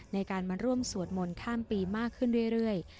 ในการมาร่วมสวดมนต์ข้ามปีมากขึ้นเรื่อย